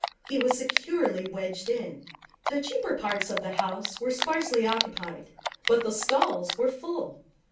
He was securely wedged in. The cheaper parts of the house were sparsely occupied, but the stalls were full.